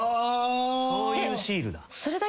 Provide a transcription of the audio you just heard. そういうシールだ。